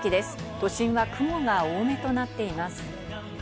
都心は雲が多めとなっています。